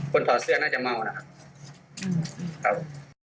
คนถอเสื้อน่าจะเมานะครับครับ